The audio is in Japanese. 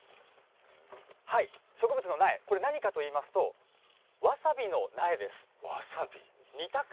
植物の苗、これ、何かといいますと、わさびの苗です。